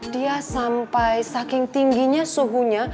dia sampai saking tingginya suhunya